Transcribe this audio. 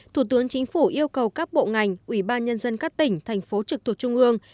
thủ tướng chính phủ yêu cầu các bộ ngành ủy ban nhân dân các tỉnh thành phố trực thuộc trung ương